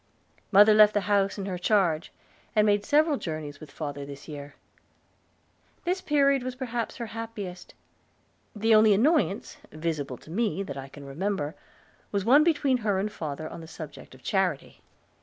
Mother left the house in her charge, and made several journeys with father this year. This period was perhaps her happiest. The only annoyance, visible to me, that I can remember, was one between her and father on the subject of charity.